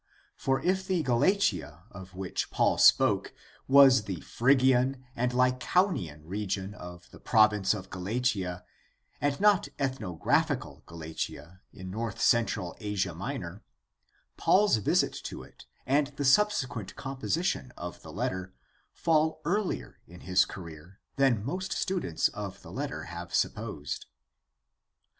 For if the Galatia of which Paul spoke was the Phrygian and Lycaonian region of the province of Galatia and not ethnographical Galatia in north central Asia Minor, Paul's visit to it and the subse quent composition of the letter fall earlier in his career than most students of the letter have supposed.